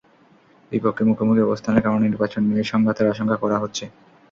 দুই পক্ষের মুখোমুখি অবস্থানের কারণে নির্বাচন নিয়ে সংঘাতের আশঙ্কা করা হচ্ছে।